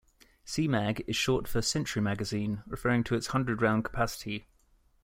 "C-Mag" is short for "century magazine", referring to its hundred-round capacity.